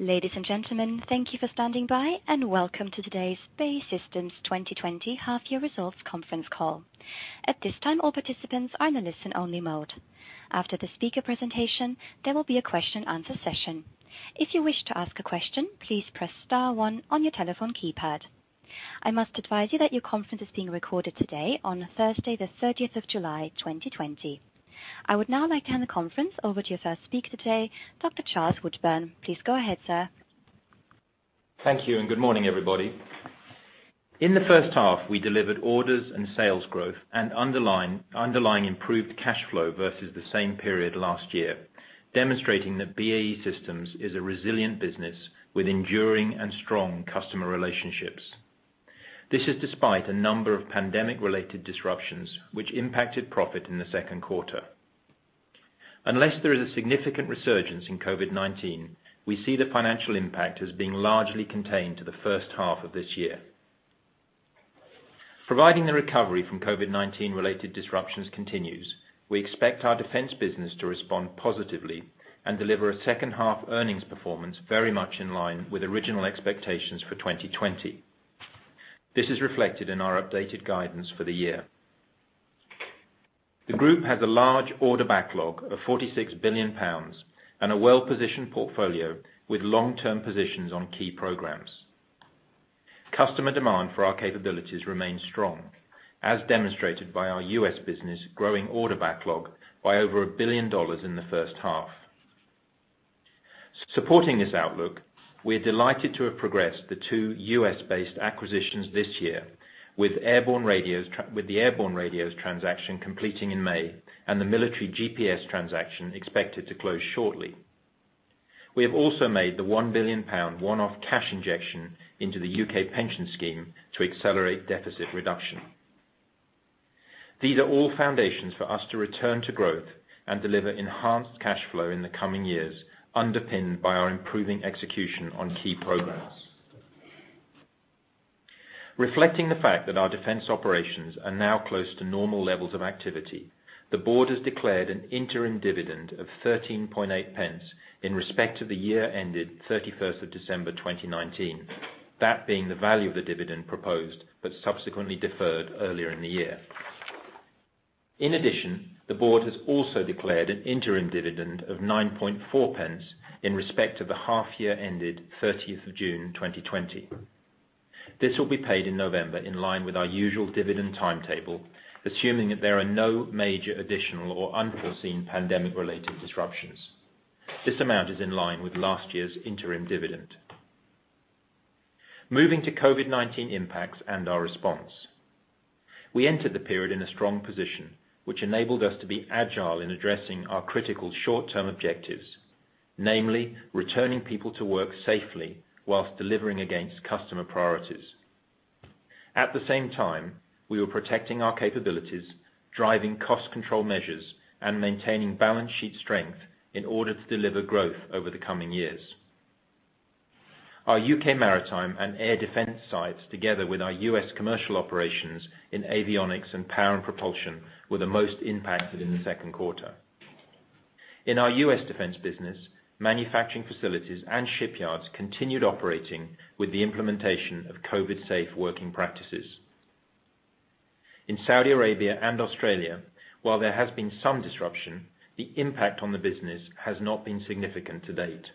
Ladies and gentlemen, thank you for standing by, and welcome to today's BAE Systems 2020 half year results conference call. At this time, all participants are in a listen-only mode. After the speaker presentation, there will be a question answer session. If you wish to ask a question, please press star one on your telephone keypad. I must advise you that your conference is being recorded today on Thursday, the 30th of July 2020. I would now like to hand the conference over to your first speaker today, Dr. Charles Woodburn. Please go ahead, sir. Thank you. Good morning, everybody. In the first half, we delivered orders and sales growth and underlying improved cash flow versus the same period last year, demonstrating that BAE Systems is a resilient business with enduring and strong customer relationships. This is despite a number of pandemic-related disruptions, which impacted profit in the second quarter. Unless there is a significant resurgence in COVID-19, we see the financial impact as being largely contained to the first half of this year. Providing the recovery from COVID-19 related disruptions continues, we expect our defense business to respond positively and deliver a second half earnings performance very much in line with original expectations for 2020. This is reflected in our updated guidance for the year. The group has a large order backlog of 46 billion pounds and a well-positioned portfolio with long-term positions on key programs. Customer demand for our capabilities remains strong, as demonstrated by our U.S. business growing order backlog by over GBP 1 billion in the first half. Supporting this outlook, we are delighted to have progressed the two U.S.-based acquisitions this year with the Airborne Tactical Radios transaction completing in May and the military GPS transaction expected to close shortly. We have also made the 1 billion pound one-off cash injection into the U.K. pension scheme to accelerate deficit reduction. These are all foundations for us to return to growth and deliver enhanced cash flow in the coming years, underpinned by our improving execution on key programs. Reflecting the fact that our defense operations are now close to normal levels of activity, the board has declared an interim dividend of 0.138 in respect of the year ended December 31st, 2019, that being the value of the dividend proposed but subsequently deferred earlier in the year. The board has also declared an interim dividend of 0.094 in respect of the half year ended June 30th, 2020. This will be paid in November in line with our usual dividend timetable, assuming that there are no major additional or unforeseen pandemic-related disruptions. This amount is in line with last year's interim dividend. Moving to COVID-19 impacts and our response. We entered the period in a strong position, which enabled us to be agile in addressing our critical short-term objectives, namely, returning people to work safely whilst delivering against customer priorities. At the same time, we were protecting our capabilities, driving cost control measures, and maintaining balance sheet strength in order to deliver growth over the coming years. Our U.K. maritime and air defense sites, together with our U.S. commercial operations in avionics and power and propulsion, were the most impacted in the second quarter. In our U.S. defense business, manufacturing facilities and shipyards continued operating with the implementation of COVID safe working practices. In Saudi Arabia and Australia, while there has been some disruption, the impact on the business has not been significant to date.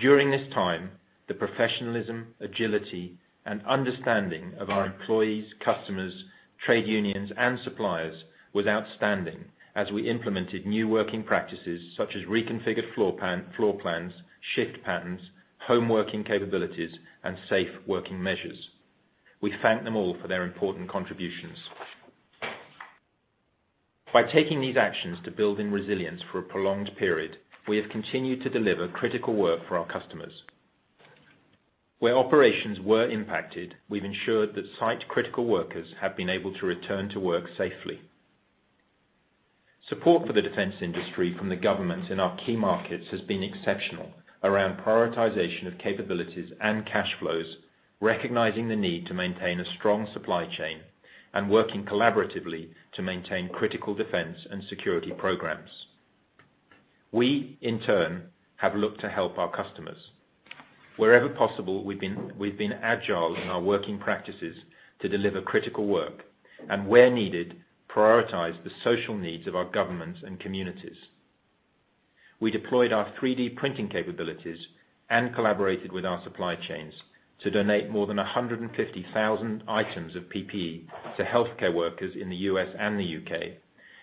During this time, the professionalism, agility, and understanding of our employees, customers, trade unions, and suppliers was outstanding as we implemented new working practices such as reconfigured floor plans, shift patterns, home working capabilities, and safe working measures. We thank them all for their important contributions. By taking these actions to build in resilience for a prolonged period, we have continued to deliver critical work for our customers. Where operations were impacted, we've ensured that site-critical workers have been able to return to work safely. Support for the defense industry from the governments in our key markets has been exceptional around prioritization of capabilities and cash flows, recognizing the need to maintain a strong supply chain and working collaboratively to maintain critical defense and security programs. We, in turn, have looked to help our customers. Wherever possible, we've been agile in our working practices to deliver critical work and where needed, prioritize the social needs of our governments and communities. We deployed our 3D printing capabilities and collaborated with our supply chains to donate more than 150,000 items of PPE to healthcare workers in the U.S. and the U.K.,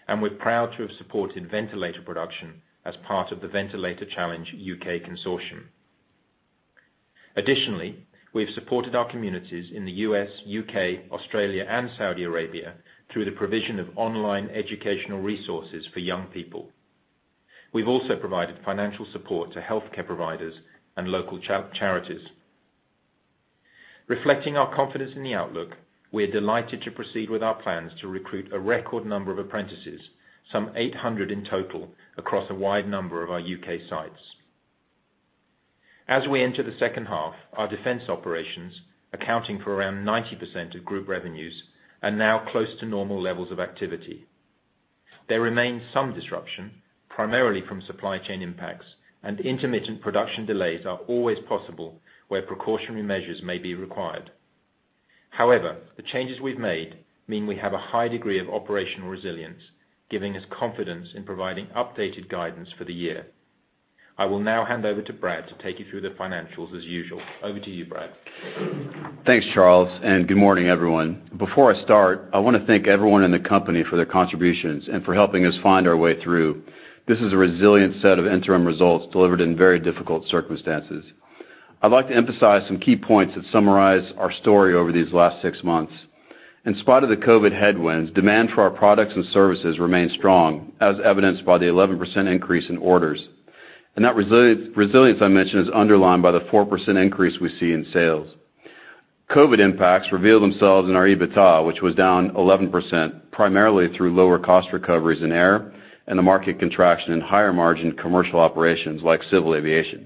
and we're proud to have supported ventilator production as part of the VentilatorChallengeUK consortium. Additionally, we've supported our communities in the U.S., U.K., Australia, and Saudi Arabia through the provision of online educational resources for young people. We've also provided financial support to healthcare providers and local charities. Reflecting our confidence in the outlook, we are delighted to proceed with our plans to recruit a record number of apprentices, some 800 in total, across a wide number of our U.K. sites. As we enter the second half, our defense operations, accounting for around 90% of group revenues, are now close to normal levels of activity. There remains some disruption, primarily from supply chain impacts, and intermittent production delays are always possible where precautionary measures may be required. However, the changes we've made mean we have a high degree of operational resilience, giving us confidence in providing updated guidance for the year. I will now hand over to Brad to take you through the financials as usual. Over to you, Brad. Thanks, Charles. Good morning, everyone. Before I start, I want to thank everyone in the company for their contributions and for helping us find our way through. This is a resilient set of interim results delivered in very difficult circumstances. I'd like to emphasize some key points that summarize our story over these last six months. In spite of the COVID headwinds, demand for our products and services remains strong, as evidenced by the 11% increase in orders. That resilience I mentioned is underlined by the 4% increase we see in sales. COVID impacts reveal themselves in our EBITDA, which was down 11%, primarily through lower cost recoveries in air and the market contraction in higher margin commercial operations like civil aviation.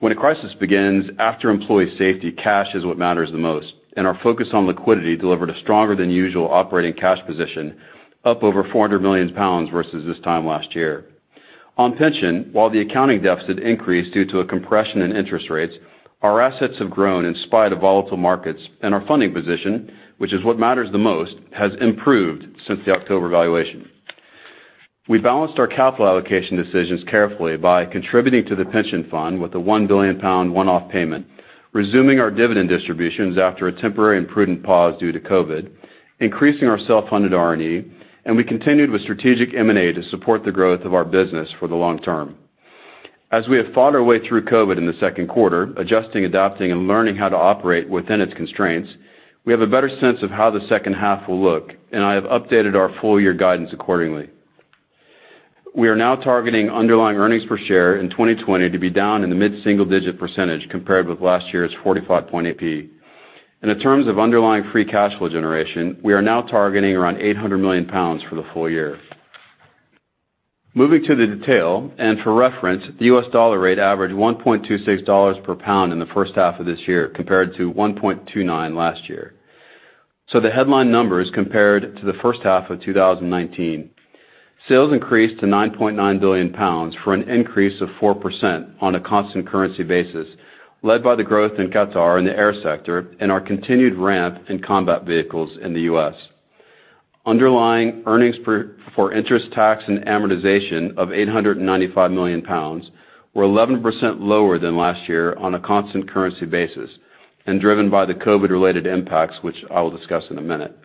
When a crisis begins, after employee safety, cash is what matters the most, and our focus on liquidity delivered a stronger-than-usual operating cash position, up over 400 million pounds versus this time last year. On pension, while the accounting deficit increased due to a compression in interest rates, our assets have grown in spite of volatile markets, and our funding position, which is what matters the most, has improved since the October valuation. We balanced our capital allocation decisions carefully by contributing to the pension fund with a 1 billion pound one-off payment, resuming our dividend distributions after a temporary and prudent pause due to COVID-19, increasing our self-funded R&D, and we continued with strategic M&A to support the growth of our business for the long term. As we have fought our way through COVID in the second quarter, adjusting, adapting, and learning how to operate within its constraints, we have a better sense of how the second half will look. I have updated our full year guidance accordingly. We are now targeting underlying earnings per share in 2020 to be down in the mid-single-digit percentage compared with last year's 0.458. In terms of underlying free cash flow generation, we are now targeting around 800 million pounds for the full year. Moving to the detail. For reference, the U.S. dollar rate averaged $1.26 per GBP in the first half of this year compared to 1.29 last year. The headline numbers compared to the first half of 2019, sales increased to 9.9 billion pounds for an increase of 4% on a constant currency basis, led by the growth in Qatar in the air sector and our continued ramp in combat vehicles in the U.S. Underlying earnings before interest, tax, and amortization of 895 million pounds were 11% lower than last year on a constant currency basis and driven by the COVID-related impacts, which I will discuss in one minute.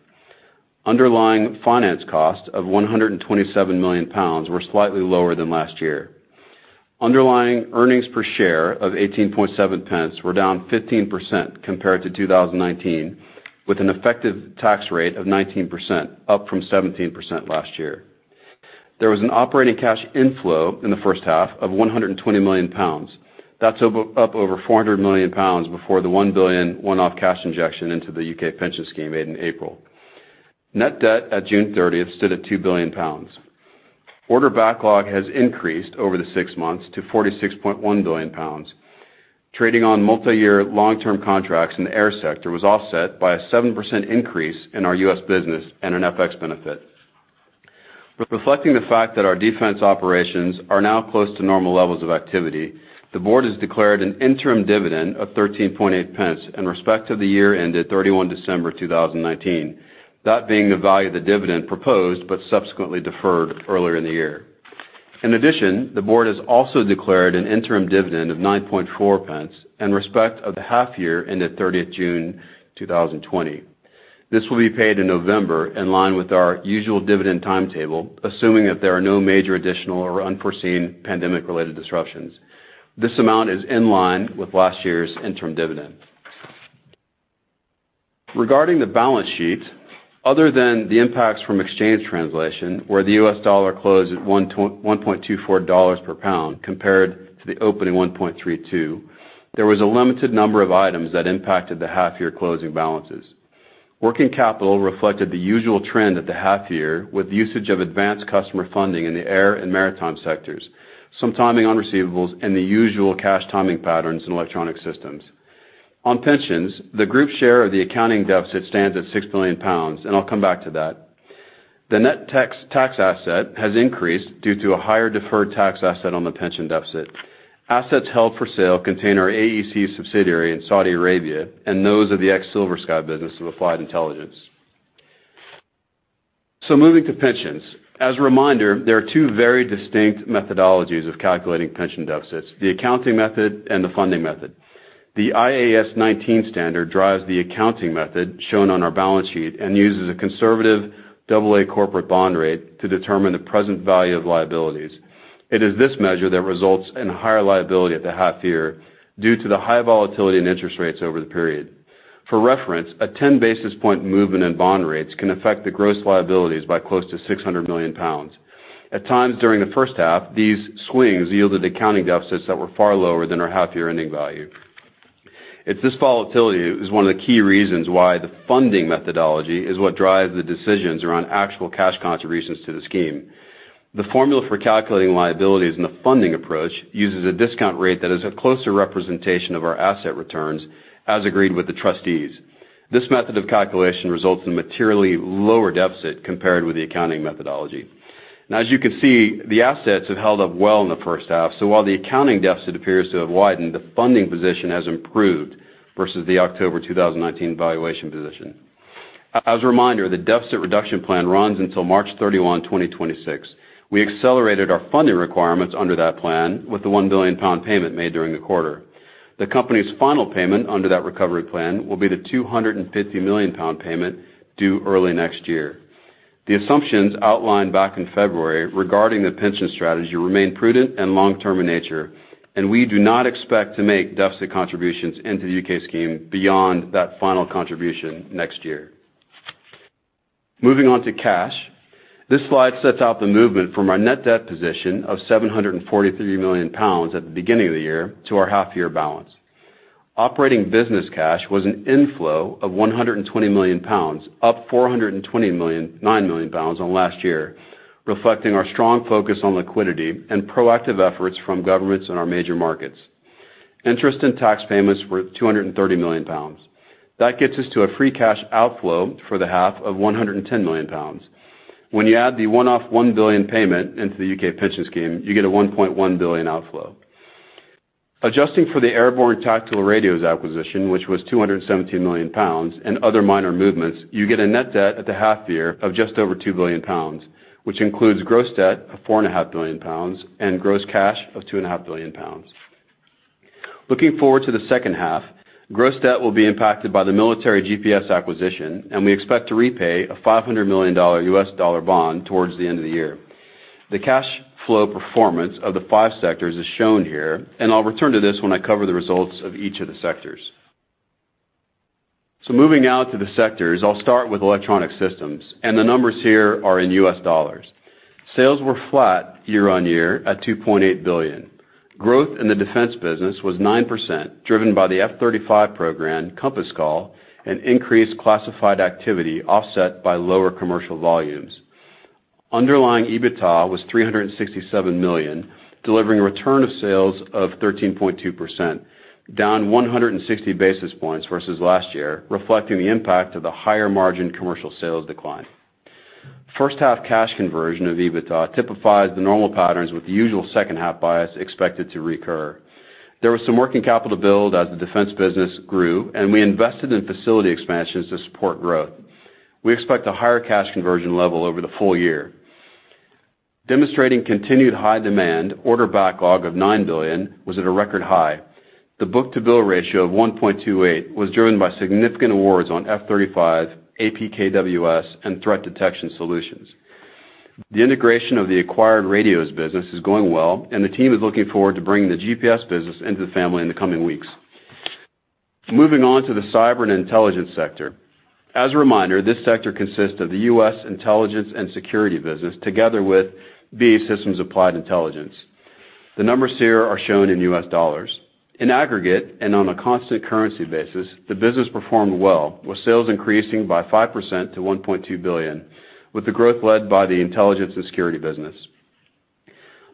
Underlying finance costs of 127 million pounds were slightly lower than last year. Underlying earnings per share of 0.187 were down 15% compared to 2019, with an effective tax rate of 19%, up from 17% last year. There was an operating cash inflow in the first half of 120 million pounds. That's up over 400 million pounds before the 1 billion one-off cash injection into the U.K. pension scheme made in April. Net debt at June 30th, 2020 stood at 2 billion pounds. Order backlog has increased over the six months to 46.1 billion pounds. Trading on multi-year long-term contracts in the air sector was offset by a 7% increase in our U.S. business and an FX benefit. Reflecting the fact that our defense operations are now close to normal levels of activity, the board has declared an interim dividend of 0.138 in respect of the year ended December 31st, 2019, that being the value of the dividend proposed but subsequently deferred earlier in the year. In addition, the board has also declared an interim dividend of 0.094 in respect of the half-year ended June 30th, 2020. This will be paid in November, in line with our usual dividend timetable, assuming that there are no major additional or unforeseen pandemic-related disruptions. This amount is in line with last year's interim dividend. Regarding the balance sheet, other than the impacts from exchange translation, where the US dollar closed at $1.24 per pound compared to the opening $1.32, there was a limited number of items that impacted the half-year closing balances. Working capital reflected the usual trend at the half year, with usage of advanced customer funding in the air and maritime sectors, some timing on receivables, and the usual cash timing patterns in Electronic Systems. On pensions, the group share of the accounting deficit stands at £6 billion, and I'll come back to that. The net tax asset has increased due to a higher deferred tax asset on the pension deficit. Assets held for sale contain our AEC subsidiary in Saudi Arabia and those of the ex-SilverSky business of Applied Intelligence. Moving to pensions, as a reminder, there are two very distinct methodologies of calculating pension deficits, the accounting method and the funding method. The IAS 19 standard drives the accounting method shown on our balance sheet and uses a conservative AA corporate bond rate to determine the present value of liabilities. It is this measure that results in higher liability at the half year due to the high volatility in interest rates over the period. For reference, a 10-basis-point movement in bond rates can affect the gross liabilities by close to 600 million pounds. At times during the first half, these swings yielded accounting deficits that were far lower than our half-year ending value. It's this volatility is one of the key reasons why the funding methodology is what drives the decisions around actual cash contributions to the scheme. The formula for calculating liabilities and the funding approach uses a discount rate that is a closer representation of our asset returns as agreed with the trustees. This method of calculation results in a materially lower deficit compared with the accounting methodology. As you can see, the assets have held up well in the first half, while the accounting deficit appears to have widened, the funding position has improved versus the October 2019 valuation position. As a reminder, the deficit reduction plan runs until March 31st, 2026. We accelerated our funding requirements under that plan with the 1 billion pound payment made during the quarter. The company's final payment under that recovery plan will be the 250 million pound payment due early next year. The assumptions outlined back in February regarding the pension strategy remain prudent and long-term in nature. We do not expect to make deficit contributions into the U.K. scheme beyond that final contribution next year. Moving on to cash. This slide sets out the movement from our net debt position of 743 million pounds at the beginning of the year to our half year balance. Operating business cash was an inflow of 120 million pounds, up 429 million pounds on last year, reflecting our strong focus on liquidity and proactive efforts from governments in our major markets. Interest and tax payments were 230 million pounds. That gets us to a free cash outflow for the half of 110 million pounds. When you add the one-off 1 billion payment into the U.K. pension scheme, you get a 1.1 billion outflow. Adjusting for the Airborne Tactical Radios acquisition, which was 217 million pounds, and other minor movements, you get a net debt at the half year of just over 2 billion pounds, which includes gross debt of 4.5 billion pounds and gross cash of 2.5 billion pounds. Looking forward to the second half, gross debt will be impacted by the military GPS acquisition. We expect to repay a $500 million bond towards the end of the year. The cash flow performance of the five sectors is shown here. I'll return to this when I cover the results of each of the sectors. Moving now to the sectors, I'll start with Electronic Systems, and the numbers here are in US dollars. Sales were flat year-on-year at $2.8 billion. Growth in the defense business was 9%, driven by the F-35 program, Compass Call, and increased classified activity offset by lower commercial volumes. Underlying EBITDA was 367 million, delivering a return of sales of 13.2%, down 160 basis points versus last year, reflecting the impact of the higher margin commercial sales decline. First half cash conversion of EBITDA typifies the normal patterns with the usual second half bias expected to recur. There was some working capital build as the defense business grew, and we invested in facility expansions to support growth. We expect a higher cash conversion level over the full year. Demonstrating continued high demand, order backlog of 9 billion was at a record high. The book-to-bill ratio of 1.28 was driven by significant awards on F-35, APKWS, and threat detection solutions. The integration of the acquired radios business is going well, and the team is looking forward to bringing the GPS business into the family in the coming weeks. Moving on to the Cyber & Intelligence sector. As a reminder, this sector consists of the U.S. Intelligence & Security business together with BAE Systems Applied Intelligence. The numbers here are shown in U.S. dollars. In aggregate and on a constant currency basis, the business performed well, with sales increasing by 5% to $1.2 billion, with the growth led by the Intelligence & Security business.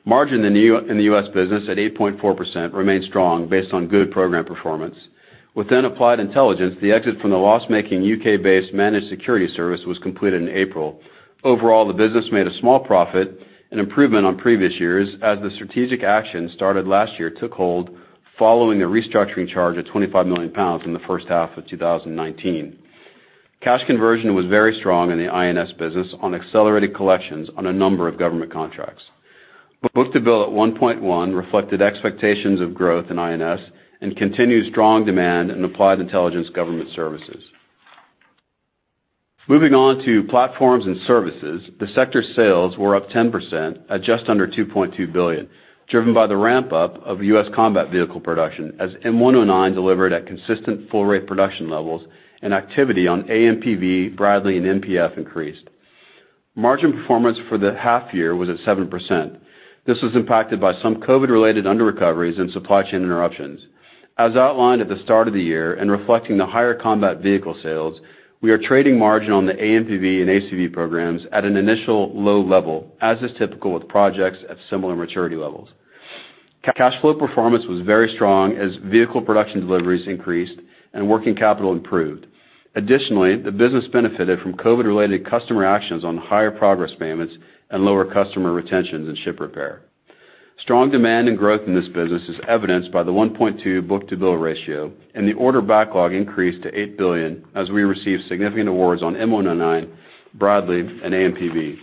Margin in the U.S. business at 8.4% remains strong based on good program performance. Within Applied Intelligence, the exit from the loss-making U.K.-based managed security service was completed in April. Overall, the business made a small profit, an improvement on previous years as the strategic action started last year took hold following the restructuring charge of 25 million pounds in the first half of 2019. Cash conversion was very strong in the I&S business on accelerated collections on a number of government contracts. Book-to-bill at 1.1 reflected expectations of growth in I&S and continued strong demand in Applied Intelligence government services. Moving on to Platforms & Services. The sector's sales were up 10% at just under 2.2 billion, driven by the ramp-up of U.S. combat vehicle production as M109 delivered at consistent full rate production levels and activity on AMPV, Bradley and MPF increased. Margin performance for the half year was at 7%. This was impacted by some COVID related under-recoveries and supply chain interruptions. As outlined at the start of the year and reflecting the higher combat vehicle sales, we are trading margin on the AMPV and ACV programs at an initial low level, as is typical with projects at similar maturity levels. Cash flow performance was very strong as vehicle production deliveries increased and working capital improved. Additionally, the business benefited from COVID-related customer actions on higher progress payments and lower customer retentions in ship repair. Strong demand and growth in this business is evidenced by the 1.2 book-to-bill ratio and the order backlog increased to 8 billion as we received significant awards on M109, Bradley and AMPV.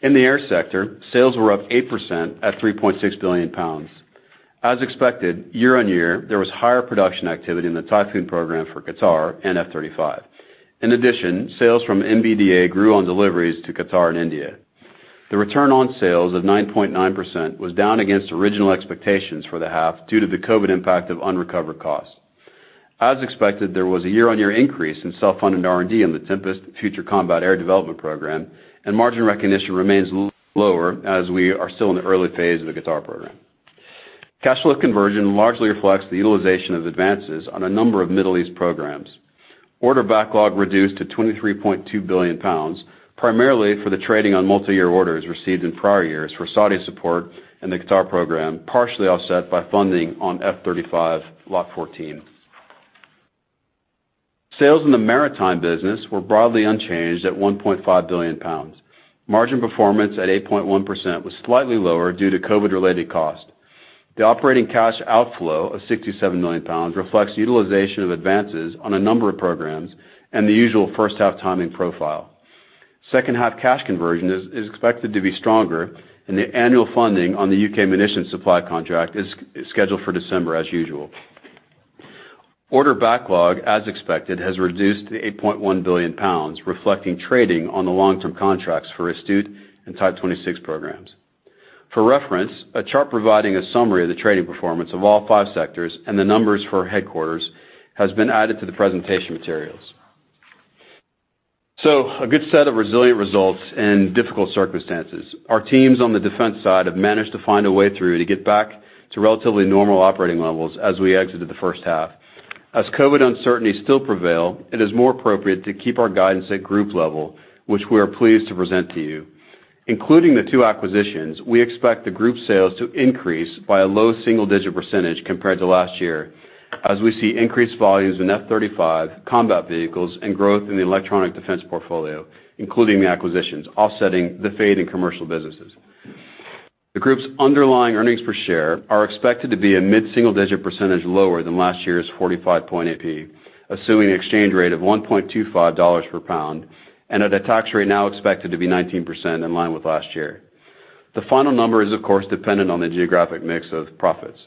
In the Air sector, sales were up 8% at 3.6 billion pounds. As expected, year-on-year, there was higher production activity in the Typhoon program for Qatar and F-35. In addition, sales from MBDA grew on deliveries to Qatar and India. The return on sales of 9.9% was down against original expectations for the half due to the COVID impact of unrecovered costs. As expected, there was a year-on-year increase in self-funded R&D in the Tempest Future Combat Air Development program, and margin recognition remains lower as we are still in the early phase of the Qatar program. Cash flow conversion largely reflects the utilization of advances on a number of Middle East programs. Order backlog reduced to 23.2 billion pounds, primarily for the trading on multi-year orders received in prior years for Saudi support and the Qatar program, partially offset by funding on F-35 Lot 14. Sales in the maritime business were broadly unchanged at 1.5 billion pounds. Margin performance at 8.1% was slightly lower due to COVID-related cost. The operating cash outflow of 67 million pounds reflects utilization of advances on a number of programs and the usual first half timing profile. Second half cash conversion is expected to be stronger, and the annual funding on the UK Munitions Supply Contract is scheduled for December as usual. Order backlog, as expected, has reduced to 8.1 billion pounds, reflecting trading on the long-term contracts for Astute and Type 26 programs. For reference, a chart providing a summary of the trading performance of all five sectors and the numbers for headquarters has been added to the presentation materials. A good set of resilient results in difficult circumstances. Our teams on the defense side have managed to find a way through to get back to relatively normal operating levels as we exited the first half. As COVID uncertainties still prevail, it is more appropriate to keep our guidance at group level, which we are pleased to present to you. Including the two acquisitions, we expect the group sales to increase by a low single-digit % compared to last year, as we see increased volumes in F-35, combat vehicles, and growth in the electronic defense portfolio, including the acquisitions, offsetting the fade in commercial businesses. The group's underlying earnings per share are expected to be a mid-single digit % lower than last year's 0.458, assuming exchange rate of $1.25 per GBP and at a tax rate now expected to be 19% in line with last year. The final number is, of course, dependent on the geographic mix of profits.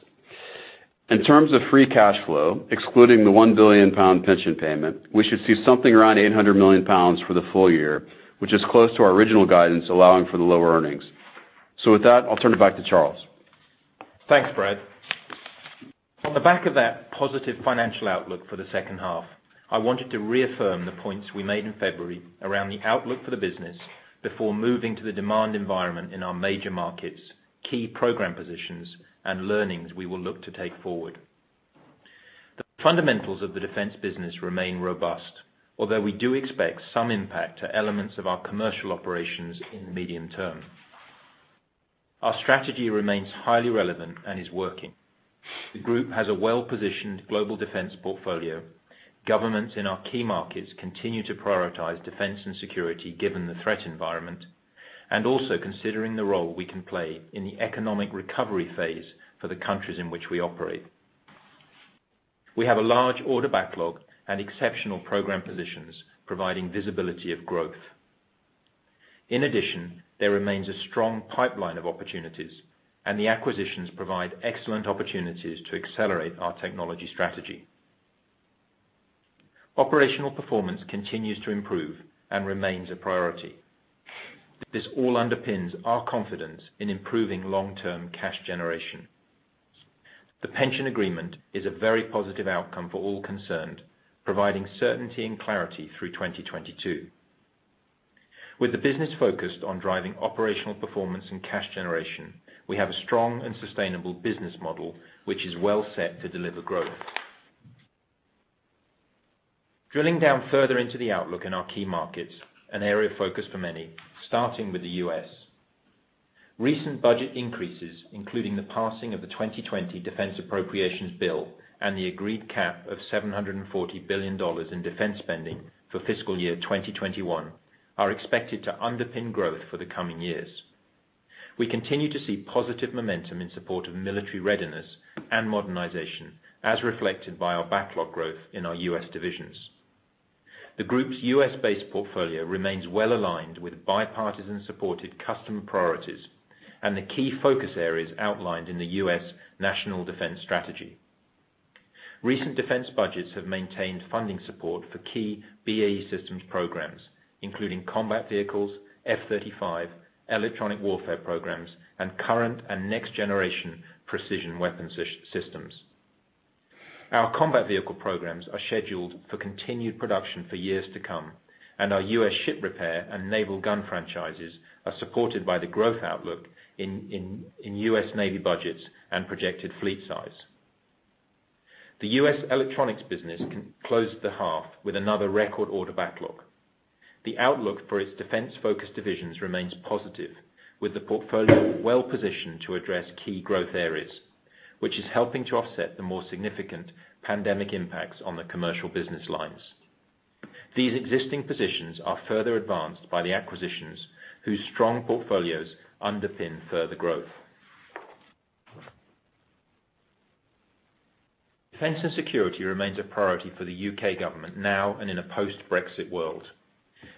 In terms of free cash flow, excluding the 1 billion pound pension payment, we should see something around 800 million pounds for the full year, which is close to our original guidance, allowing for the lower earnings. With that, I'll turn it back to Charles. Thanks, Brad. On the back of that positive financial outlook for the second half, I wanted to reaffirm the points we made in February around the outlook for the business before moving to the demand environment in our major markets, key program positions, and learnings we will look to take forward. The fundamentals of the defence business remain robust, although we do expect some impact to elements of our commercial operations in the medium term. Our strategy remains highly relevant and is working. The group has a well-positioned global defence portfolio. governments in our key markets continue to prioritize defence and security given the threat environment, and also considering the role we can play in the economic recovery phase for the countries in which we operate. We have a large order backlog and exceptional program positions, providing visibility of growth. In addition, there remains a strong pipeline of opportunities, and the acquisitions provide excellent opportunities to accelerate our technology strategy. Operational performance continues to improve and remains a priority. This all underpins our confidence in improving long-term cash generation. The pension agreement is a very positive outcome for all concerned, providing certainty and clarity through 2022. With the business focused on driving operational performance and cash generation, we have a strong and sustainable business model, which is well set to deliver growth. Drilling down further into the outlook in our key markets, an area of focus for many, starting with the U.S. Recent budget increases, including the passing of the 2020 defense appropriations bill and the agreed cap of $740 billion in defense spending for fiscal year 2021, are expected to underpin growth for the coming years. We continue to see positive momentum in support of military readiness and modernization, as reflected by our backlog growth in our U.S. divisions. The group's U.S.-based portfolio remains well-aligned with bipartisan supported customer priorities and the key focus areas outlined in the U.S. National Defense Strategy. Recent defense budgets have maintained funding support for key BAE Systems programs, including combat vehicles, F-35, electronic warfare programs, and current and next-generation precision weapons systems. Our combat vehicle programs are scheduled for continued production for years to come, and our U.S. ship repair and naval gun franchises are supported by the growth outlook in U.S. Navy budgets and projected fleet size. The U.S. electronics business closed the half with another record order backlog. The outlook for its defense-focused divisions remains positive, with the portfolio well-positioned to address key growth areas, which is helping to offset the more significant pandemic impacts on the commercial business lines. These existing positions are further advanced by the acquisitions, whose strong portfolios underpin further growth. Defense and security remains a priority for the U.K. government now and in a post-Brexit world.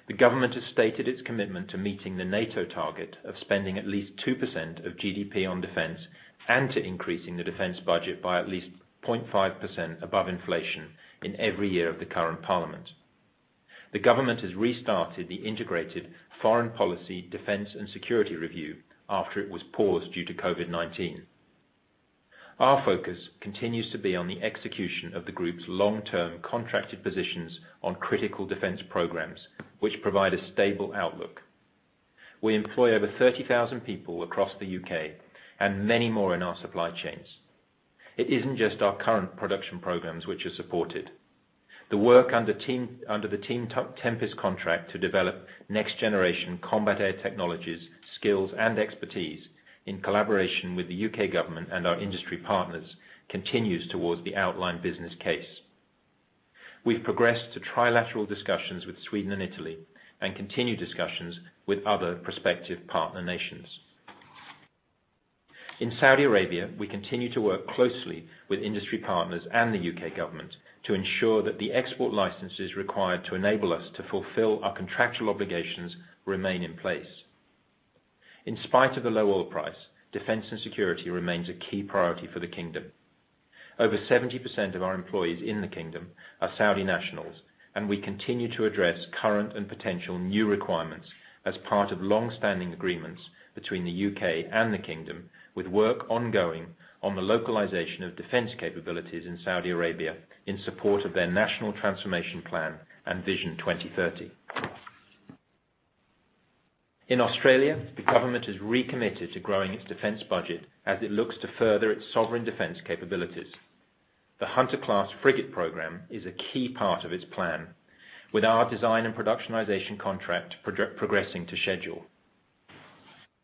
The government has stated its commitment to meeting the NATO target of spending at least 2% of GDP on defense and to increasing the defense budget by at least 0.5% above inflation in every year of the current parliament. The government has restarted the integrated foreign policy, defense, and security review after it was paused due to COVID-19. Our focus continues to be on the execution of the group's long-term contracted positions on critical defense programs, which provide a stable outlook. We employ over 30,000 people across the U.K. and many more in our supply chains. It isn't just our current production programs which are supported. The work under the Team Tempest contract to develop next-generation combat air technologies, skills, and expertise in collaboration with the U.K. government and our industry partners continues towards the outlined business case. We've progressed to trilateral discussions with Sweden and Italy and continue discussions with other prospective partner nations. In Saudi Arabia, we continue to work closely with industry partners and the U.K. government to ensure that the export licenses required to enable us to fulfill our contractual obligations remain in place. In spite of the low oil price, defense and security remains a key priority for the Kingdom. Over 70% of our employees in the kingdom are Saudi nationals, and we continue to address current and potential new requirements as part of long-standing agreements between the U.K. and the kingdom, with work ongoing on the localization of defense capabilities in Saudi Arabia in support of their national transformation plan and Vision 2030. In Australia, the government has recommitted to growing its defense budget as it looks to further its sovereign defense capabilities. The Hunter Class frigate program is a key part of its plan, with our design and productionization contract progressing to schedule.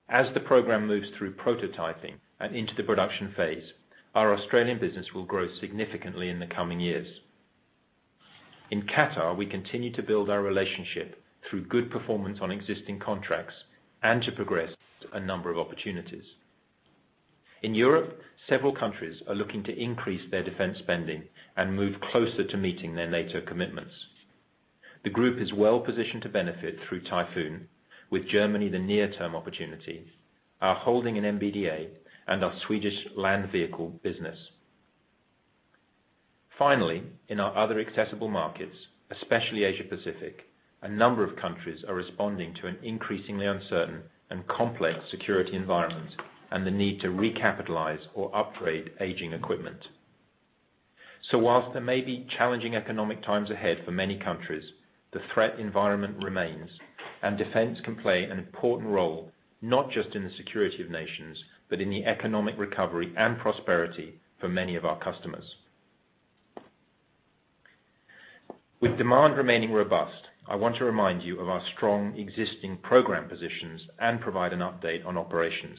As the program moves through prototyping and into the production phase, our Australian business will grow significantly in the coming years. In Qatar, we continue to build our relationship through good performance on existing contracts and to progress a number of opportunities. In Europe, several countries are looking to increase their defense spending and move closer to meeting their NATO commitments. The group is well positioned to benefit through Typhoon, with Germany the near-term opportunity, our holding in MBDA, and our Swedish land vehicle business. Finally, in our other accessible markets, especially Asia-Pacific, a number of countries are responding to an increasingly uncertain and complex security environment and the need to recapitalize or upgrade aging equipment. Whilst there may be challenging economic times ahead for many countries, the threat environment remains and defense can play an important role, not just in the security of nations, but in the economic recovery and prosperity for many of our customers. With demand remaining robust, I want to remind you of our strong existing program positions and provide an update on operations.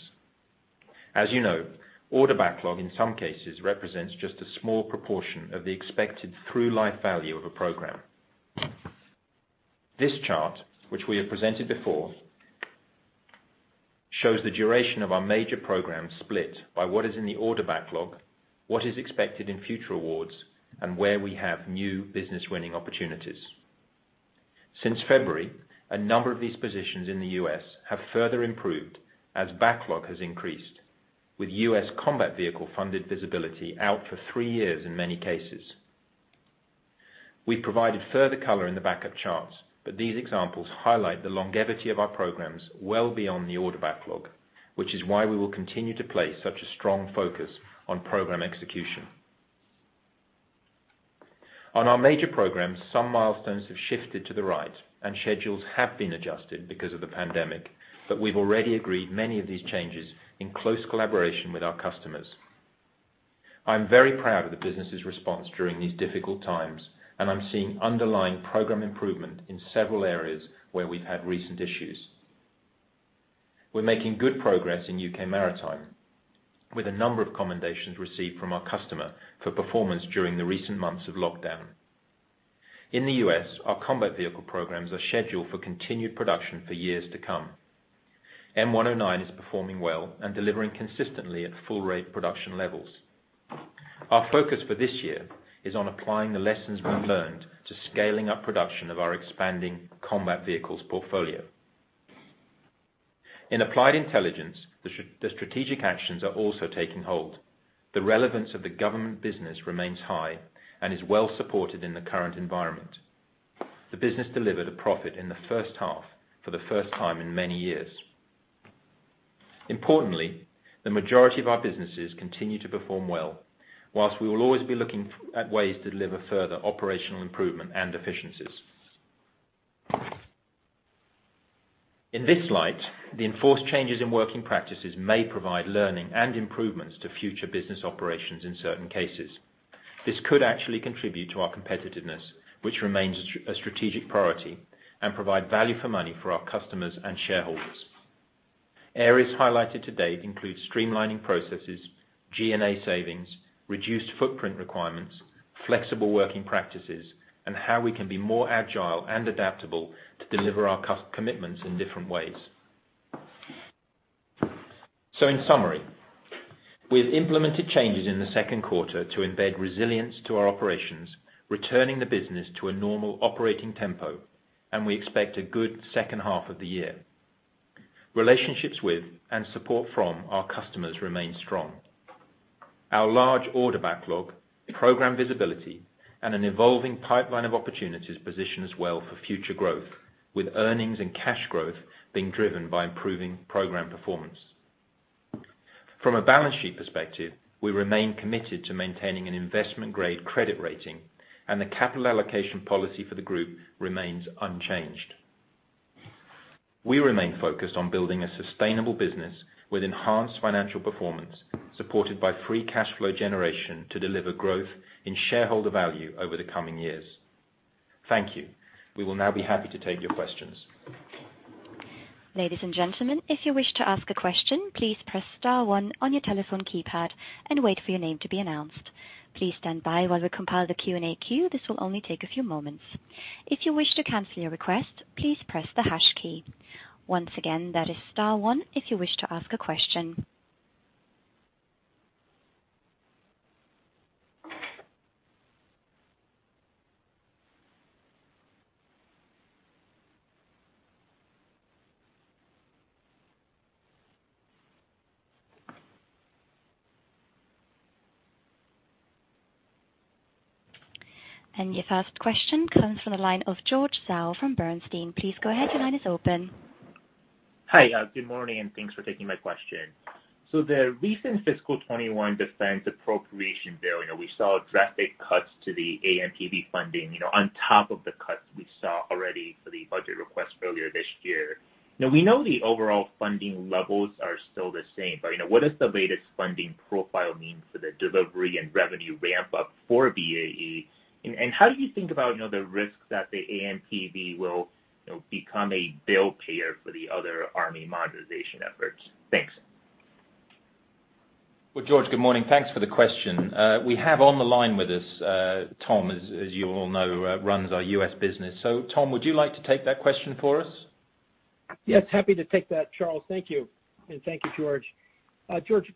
As you know, order backlog, in some cases, represents just a small proportion of the expected through life value of a program. This chart, which we have presented before, shows the duration of our major programs split by what is in the order backlog, what is expected in future awards, and where we have new business-winning opportunities. Since February, a number of these positions in the U.S. have further improved as backlog has increased, with U.S. combat vehicle funded visibility out for three years in many cases. We've provided further color in the backup charts, but these examples highlight the longevity of our programs well beyond the order backlog, which is why we will continue to place such a strong focus on program execution. On our major programs, some milestones have shifted to the right and schedules have been adjusted because of the pandemic, but we've already agreed many of these changes in close collaboration with our customers. I'm very proud of the business's response during these difficult times, and I'm seeing underlying program improvement in several areas where we've had recent issues. We're making good progress in U.K. Maritime, with a number of commendations received from our customer for performance during the recent months of lockdown. In the U.S., our combat vehicle programs are scheduled for continued production for years to come. M109 is performing well and delivering consistently at full-rate production levels. Our focus for this year is on applying the lessons we've learned to scaling up production of our expanding combat vehicles portfolio. In Applied Intelligence, the strategic actions are also taking hold. The relevance of the government business remains high and is well supported in the current environment. The business delivered a profit in the first half for the first time in many years. Importantly, the majority of our businesses continue to perform well, while we will always be looking at ways to deliver further operational improvement and efficiencies. In this light, the enforced changes in working practices may provide learning and improvements to future business operations in certain cases. This could actually contribute to our competitiveness, which remains a strategic priority and provide value for money for our customers and shareholders. Areas highlighted to date include streamlining processes, G&A savings, reduced footprint requirements, flexible working practices, and how we can be more agile and adaptable to deliver our commitments in different ways. In summary, we have implemented changes in the second quarter to embed resilience to our operations, returning the business to a normal operating tempo, and we expect a good second half of the year. Relationships with and support from our customers remain strong. Our large order backlog, program visibility, and an evolving pipeline of opportunities position us well for future growth, with earnings and cash growth being driven by improving program performance. From a balance sheet perspective, we remain committed to maintaining an investment-grade credit rating, and the capital allocation policy for the group remains unchanged. We remain focused on building a sustainable business with enhanced financial performance, supported by free cash flow generation to deliver growth in shareholder value over the coming years. Thank you. We will now be happy to take your questions. Ladies and gentlemen, if you wish to ask a question, please press star one on your telephone keypad and wait for your name to be announced. Please stand by while we compile the Q&A queue. This will only take a few moments. If you wish to cancel your request, please press the hash key. Once again, that is star one if you wish to ask a question. Your first question comes from the line of George Zhao from Bernstein. Please go ahead. Your line is open. Hi. Good morning, and thanks for taking my question. The recent fiscal 2021 Defense Appropriation Bill, we saw drastic cuts to the AMPV funding, on top of the cuts we saw already for the budget request earlier this year. Now we know the overall funding levels are still the same, but what does the latest funding profile mean for the delivery and revenue ramp up for BAE? How do you think about the risks that the AMPV will become a bill payer for the other Army modernization efforts? Thanks. Well, George, good morning. Thanks for the question. We have on the line with us, Tom, as you all know, runs our U.S. business. Tom, would you like to take that question for us? Yes, happy to take that, Charles. Thank you. Thank you, George. George,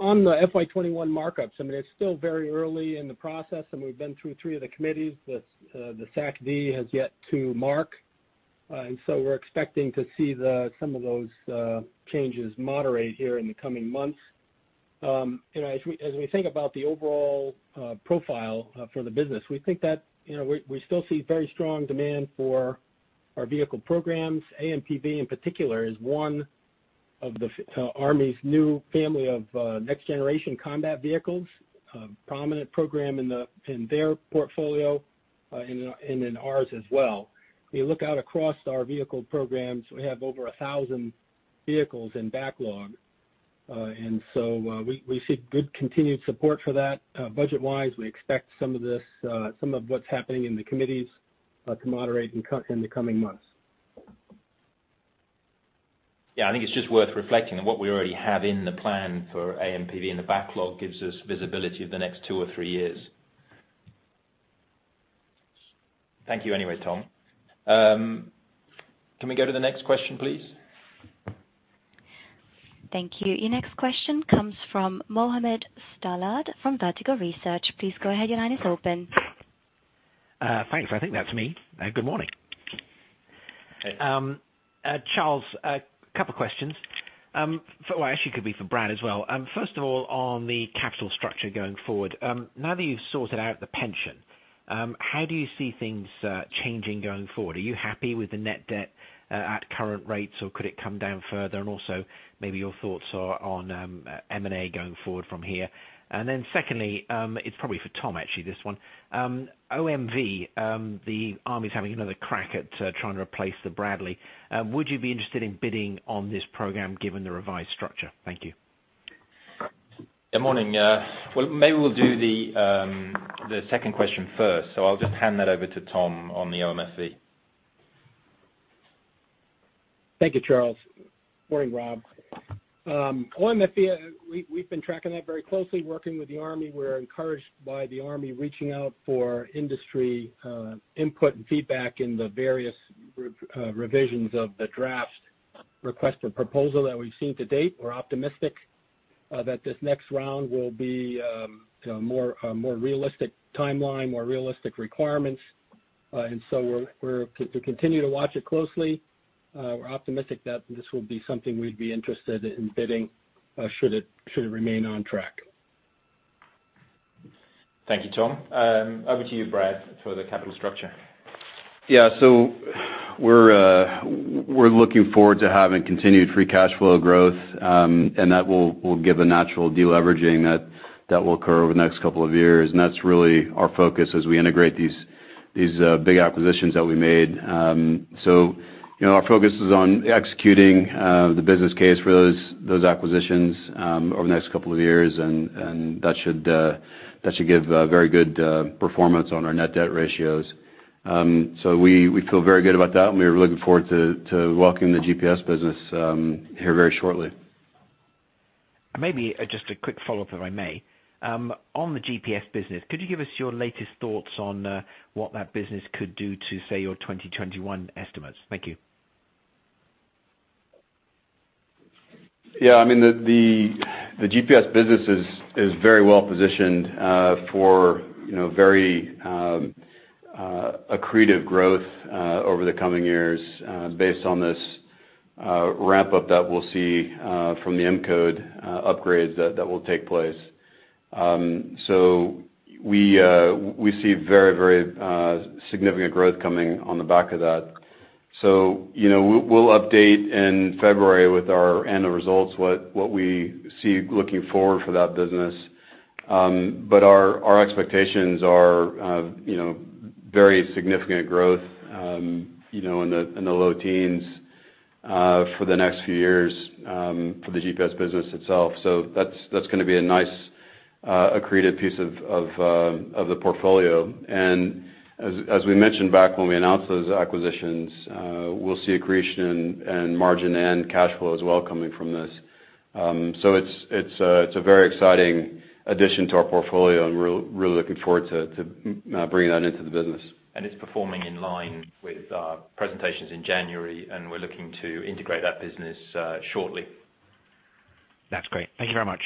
on the FY 2021 markups, it's still very early in the process, we've been through three of the committees. The SAC-D has yet to mark. We're expecting to see some of those changes moderate here in the coming months. As we think about the overall profile for the business, we think that we still see very strong demand for our vehicle programs. AMPV in particular, is one of the Army's new family of next-generation combat vehicles. A prominent program in their portfolio and in ours as well. We look out across our vehicle programs, we have over 1,000 vehicles in backlog. We see good continued support for that. Budget wise, we expect some of what's happening in the committees to moderate in the coming months. Yeah, I think it's just worth reflecting on what we already have in the plan for AMPV, and the backlog gives us visibility of the next two or three years. Thank you anyway, Tom. Can we go to the next question, please? Thank you. Your next question comes from Rob Stallard from Vertical Research. Please go ahead. Your line is open. Thanks. I think that's me. Good morning. Hey. Charles, two questions. Well, actually it could be for Brad as well. First of all, on the capital structure going forward, now that you've sorted out the pension, how do you see things changing going forward? Are you happy with the net debt at current rates, or could it come down further? Also, maybe your thoughts are on M&A going forward from here. Then secondly, it's probably for Tom, actually, this one. OMFV, the Army's having another crack at trying to replace the Bradley. Would you be interested in bidding on this program, given the revised structure? Thank you. Good morning. Well, maybe we'll do the second question first. I'll just hand that over to Tom on the OMFV. Thank you, Charles. Morning, Rob. OMFV, we've been tracking that very closely, working with the Army. We're encouraged by the Army reaching out for industry input and feedback in the various revisions of the draft request for proposal that we've seen to date. We're optimistic that this next round will be a more realistic timeline, more realistic requirements. We'll continue to watch it closely. We're optimistic that this will be something we'd be interested in bidding, should it remain on track. Thank you, Tom. Over to you, Brad, for the capital structure. Yeah. We're looking forward to having continued free cash flow growth, and that will give a natural de-leveraging that will occur over the next couple of years. That's really our focus as we integrate these big acquisitions that we made. Our focus is on executing the business case for those acquisitions over the next couple of years, and that should give very good performance on our net debt ratios. We feel very good about that, and we're looking forward to welcome the GPS business here very shortly. Maybe just a quick follow-up, if I may. On the GPS business, could you give us your latest thoughts on what that business could do to, say, your 2021 estimates? Thank you. Yeah. The GPS business is very well positioned for very accretive growth over the coming years based on this ramp up that we'll see from the M-Code upgrades that will take place. We'll update in February with our annual results what we see looking forward for that business. Our expectations are very significant growth in the low teens for the next few years for the GPS business itself. That's going to be a nice accretive piece of the portfolio. As we mentioned back when we announced those acquisitions, we'll see accretion and margin and cash flow as well coming from this. It's a very exciting addition to our portfolio, and we're really looking forward to bringing that into the business. It's performing in line with our presentations in January, and we're looking to integrate that business shortly. That's great. Thank you very much.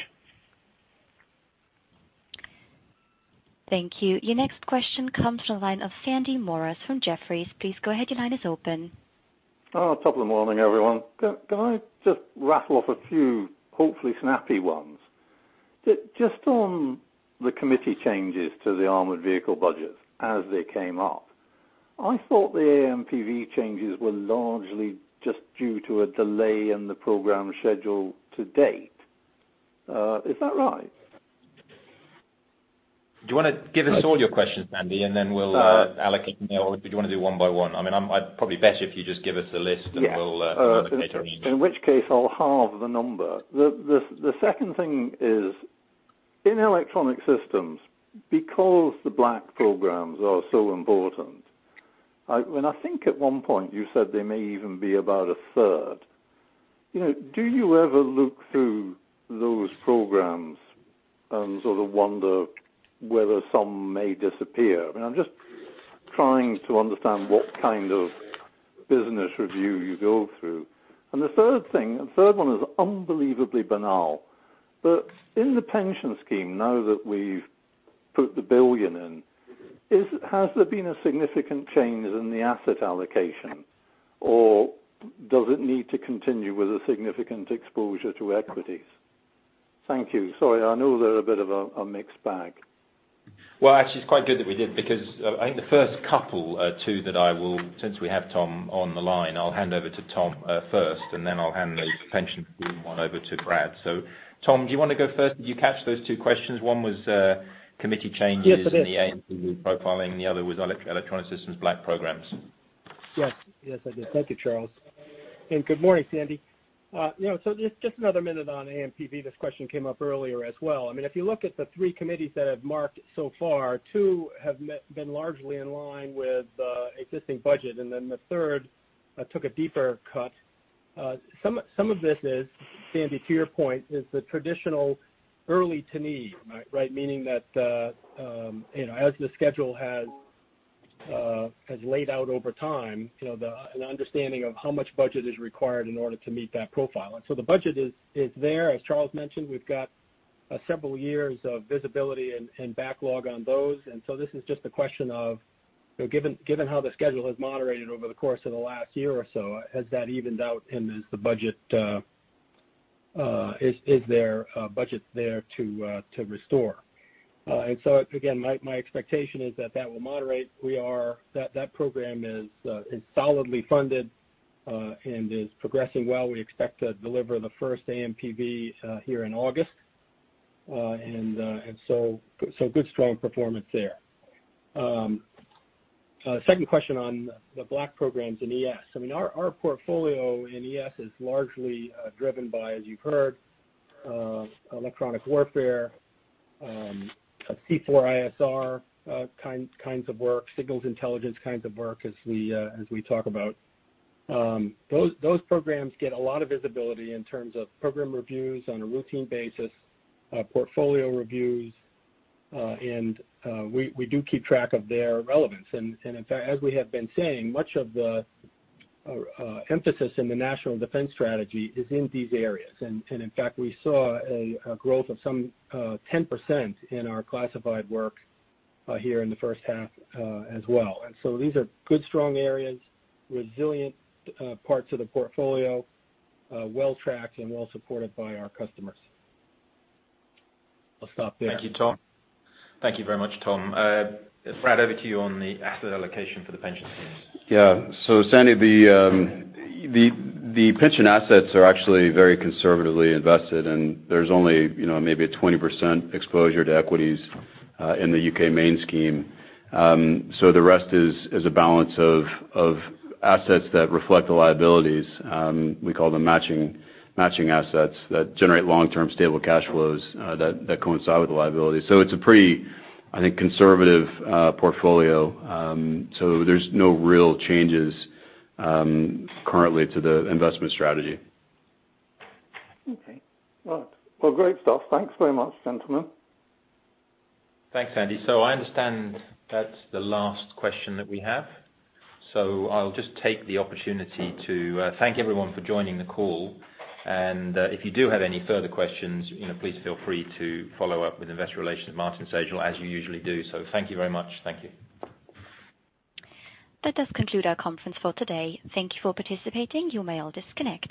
Thank you. Your next question comes from the line of Sandy Morris from Jefferies. Please go ahead. Your line is open. Top of the morning, everyone. Can I just rattle off a few, hopefully snappy ones? Just on the committee changes to the armored vehicle budgets as they came up, I thought the AMPV changes were largely just due to a delay in the program schedule to date. Is that right? Do you want to give us all your questions, Sandy, and then we'll allocate them? Did you want to do one by one? Probably better if you just give us the list. Yes We'll allocate them each. In which case I'll halve the number. The second thing is, in Electronic Systems, because the black programs are so important, and I think at one point you said they may even be about 1/3, do you ever look through those programs and sort of wonder whether some may disappear? I'm just trying to understand what kind of business review you go through. The third one is unbelievably banal. In the pension scheme, now that we've put the 1 billion in, has there been a significant change in the asset allocation? Does it need to continue with a significant exposure to equities? Thank you. Sorry. I know they're a bit of a mixed bag. Well, actually, it's quite good that we did. I think the first couple, two that I will, since we have Tom on the line, I'll hand over to Tom first, and then I'll hand the pension scheme one over to Brad. Tom, do you want to go first? Did you catch those two questions? One was committee changes. Yes, I did. The AMP profiling, the other was Electronic Systems black programs. Yes, I did. Thank you, Charles. Good morning, Sandy. Just another minute on AMPV. This question came up earlier as well. If you look at the three committees that have marked so far, two have been largely in line with existing budget. The third took a deeper cut. Some of this is, Sandy, to your point, is the traditional early to need, right? Meaning that, as the schedule has laid out over time, an understanding of how much budget is required in order to meet that profile. The budget is there. As Charles mentioned, we've got several years of visibility and backlog on those. This is just a question of, given how the schedule has moderated over the course of the last year or so, has that evened out, and is there budget there to restore? Again, my expectation is that that will moderate. That program is solidly funded and is progressing well. We expect to deliver the first AMPV here in August. Good strong performance there. Second question on the black programs in ES. Our portfolio in ES is largely driven by, as you've heard, electronic warfare, C4ISR kinds of work, signals intelligence kinds of work as we talk about. Those programs get a lot of visibility in terms of program reviews on a routine basis, portfolio reviews, and we do keep track of their relevance. In fact, as we have been saying, much of the emphasis in the National Defense Strategy is in these areas. In fact, we saw a growth of some 10% in our classified work here in the first half as well. These are good, strong areas, resilient parts of the portfolio, well tracked and well supported by our customers. I'll stop there. Thank you, Tom. Thank you very much, Tom. Brad, over to you on the asset allocation for the pension schemes. Sandy, the pension assets are actually very conservatively invested, and there's only maybe a 20% exposure to equities in the U.K. main scheme. The rest is a balance of assets that reflect the liabilities. We call them matching assets that generate long-term stable cash flows that coincide with the liability. It's a pretty, I think, conservative portfolio. There's no real changes currently to the investment strategy. Okay. Well, great stuff. Thanks very much, gentlemen. Thanks, Sandy. I understand that's the last question that we have. I'll just take the opportunity to thank everyone for joining the call. If you do have any further questions, please feel free to follow up with investor relations at Martin Cooper as you usually do. Thank you very much. Thank you. That does conclude our conference for today. Thank you for participating. You may all disconnect.